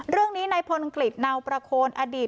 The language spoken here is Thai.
เรื่องนี้ในพลกฤษเนาประโคนอดีต